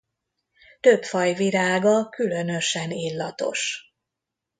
Több faj virága különösen illatos.